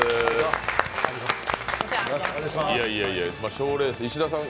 賞レース、石田さん